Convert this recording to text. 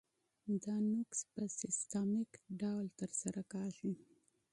دا نقض په سیستماتیک ډول ترسره کیږي.